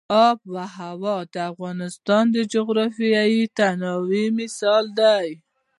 آب وهوا د افغانستان د جغرافیوي تنوع مثال دی.